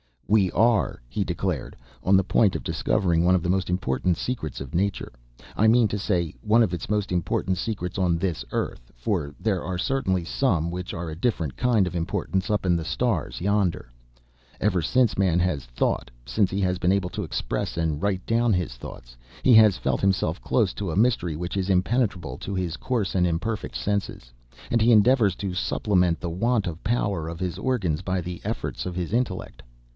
"We are," he declared, "on the point of discovering one of the most important secrets of nature, I mean to say, one of its most important secrets on this earth, for there are certainly some which are of a different kind of importance up in the stars, yonder. Ever since man has thought, since he has been able to express and write down his thoughts, he has felt himself close to a mystery which is impenetrable to his coarse and imperfect senses, and he endeavours to supplement the want of power of his organs by the efforts of his intellect.